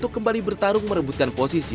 kembali bertarung merebutkan posisi